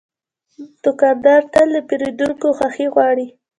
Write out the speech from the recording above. دوکاندار تل د پیرودونکو خوښي غواړي.